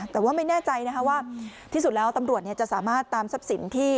แต่ว่าไม่แน่ใจนะคะว่าที่สุดแล้วตำรวจจะสามารถตามทรัพย์สินที่